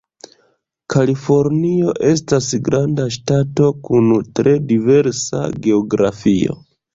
Kalifornio estas granda ŝtato kun tre diversa geografio.